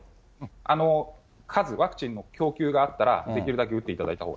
ワクチンの供給があったら、できるだけ打っていただいたほうが。